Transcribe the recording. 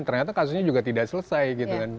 ternyata kasusnya juga tidak selesai gitu kan